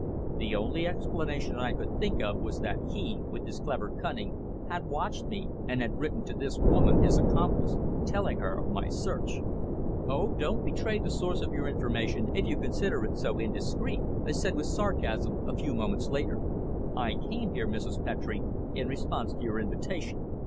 The only explanation I could think of was that he, with his clever cunning, had watched me, and had written to this woman, his accomplice, telling her of my search. "Oh! don't betray the source of your information if you consider it so indiscreet," I said with sarcasm a few moments later. "I came here, Mrs. Petre, in response to your invitation.